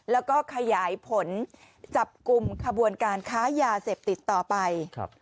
แล้วก็ขยายผลจับกลุ่มขบวนการค้ายาเสพติดต่อไป